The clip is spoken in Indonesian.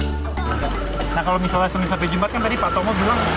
nah kalau misalnya senin sampai jumat kan tadi pak tomo bilang